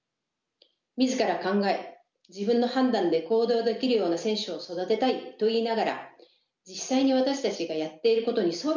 自ら考え自分の判断で行動できるような選手を育てたいと言いながら実際に私たちがやっていることに相違があるではないか？